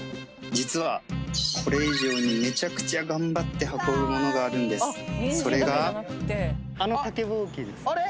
実はこれ以上にめちゃくちゃがんばって運ぶものがあるんですそれがあれ？